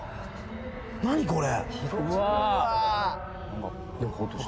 何これ！？